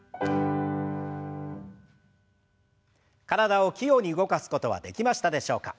体を器用に動かすことはできましたでしょうか。